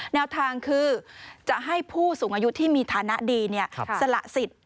แนวทางคือจะให้ผู้สูงอายุที่มีฐานะดีสละสิทธิ์